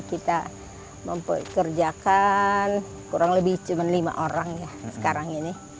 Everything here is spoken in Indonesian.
kita mempekerjakan kurang lebih cuma lima orang ya sekarang ini